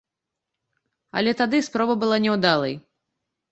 Але тады спроба была няўдалай.